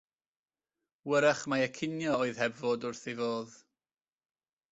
Hwyrach mai y cinio oedd heb fod wrth ei fodd.